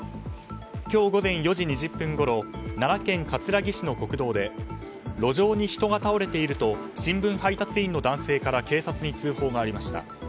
今日午前４時２０分ごろ奈良県葛城市の国道で路上に人が倒れていると新聞配達員の男性から警察に通報がありました。